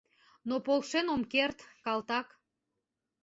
Но полшен ом керт, калтак!